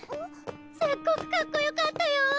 ・すっごくかっこよかったよ！